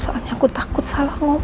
soalnya aku takut salah